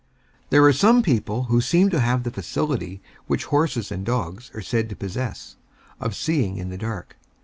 There are some people who seem to have the faculty which horses and dogs are said to possess, of seeing in the dark.